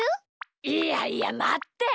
いやいやまって！